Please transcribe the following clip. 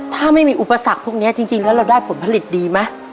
ถ้าไม่มีอุปสรรคพวกนี้จริงแล้วเราได้ผลผลิตดีไหม